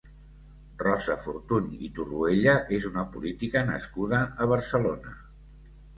Rosa Fortuny i Torroella és una política nascuda a Barcelona.